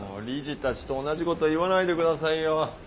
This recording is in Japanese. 理事たちと同じこと言わないでくださいよ。